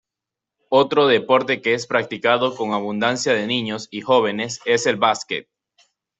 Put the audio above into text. Otro deporte que es practicado con abundancia de niños y jóvenes es el basquet.